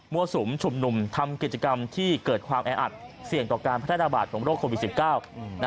สุมฉุบหนุ่มทำกิจกรรมที่เกิดความแออัดเสี่ยงต่อการพัฒนาบาดของโรคโควิด๑๙